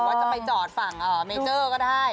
ว่าจะไปจอดฝั่งเมเจอร์ก็ได้